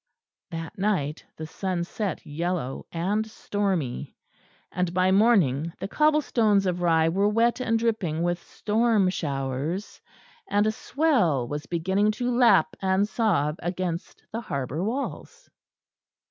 That night the sun set yellow and stormy, and by morning the cobble stones of Rye were wet and dripping with storm showers, and a swell was beginning to lap and sob against the harbour walls.